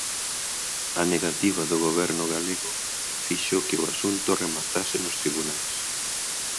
A negativa do Goberno galego fixo que o asunto rematase nos tribunais.